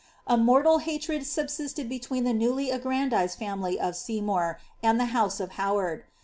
A mortal hatred subsisted between the wly aggrandised family of Seymour, and the house of Howard.